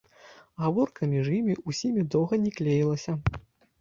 Гаворка між імі ўсімі доўга не клеілася.